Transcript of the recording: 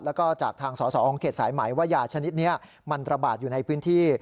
แล้วก็จากทางสอสอของเขตสายไหมว่ายาชนิดนี้มันระบาดอยู่ในพื้นที่